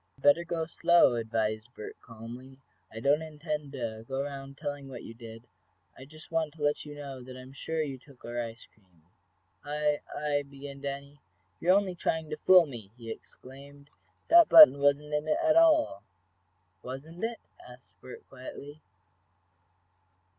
"Better go slow," advised Bert, calmly. "I don't intend to go around telling what you did. I just want to let you know that I am sure you took our ice cream. "I I" began Danny. "You're only trying to fool me!" he exclaimed. "That button wasn't in it at all!" "Wasn't it?" asked Bert, quietly.